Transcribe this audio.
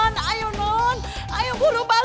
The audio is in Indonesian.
mending kalian pergi aja